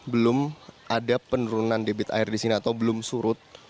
belum ada penurunan debit air di sini atau belum surut